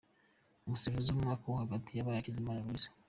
Umusifuzi w’umwaka wo hagati abaye Hakizimana Louis.